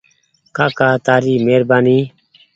ڪآڪآ تآري مهربآني۔